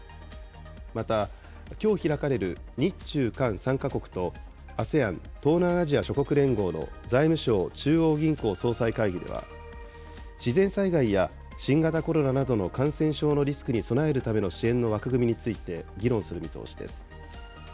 また、きょう開かれる日中韓３か国とＡＳＥＡＮ・東南アジア諸国連合の財務相・中央銀行総裁会議では、自然災害や新型コロナなどの感染症のリスクに備えるための支援の枠組みについて議論する見通しです。